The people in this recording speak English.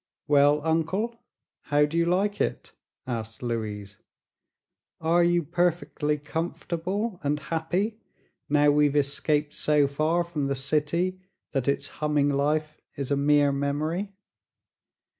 "Well, Uncle, how do you like it?" asked Louise. "Are you perfectly comfortable and happy, now we've escaped so far from the city that its humming life is a mere memory?"